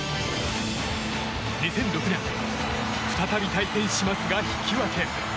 ２００６年、再び対戦しますが引き分け。